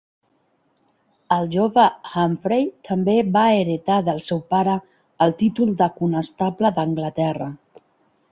El jove Humphrey també va heretar del seu pare el títol de Conestable d'Anglaterra.